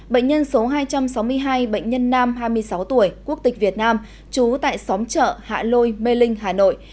bệnh nhân số hai trăm sáu mươi hai bệnh nhân nam hai mươi sáu tuổi quốc tịch việt nam trú tại xóm chợ hạ lôi mê linh hà nội